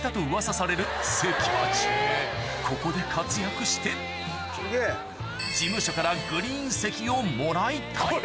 ここで活躍して事務所からグリーン席をもらいたい